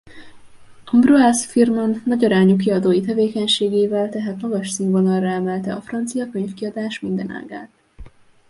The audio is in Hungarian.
Ambroise-Firmin nagyarányú kiadói tevékenységével tehát magas színvonalra emelte a francia könyvkiadás minden ágát.